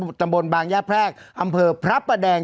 ตำบลบางย่าแพรกอำเภอพระประแดง